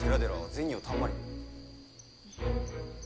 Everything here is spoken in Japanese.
銭をたんまり。